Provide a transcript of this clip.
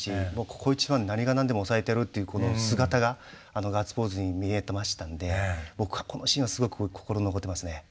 ここ一番何がなんでも抑えてやるっていうこの姿がガッツポーズに見えてましたので僕はこのシーンはすごく心残ってますね。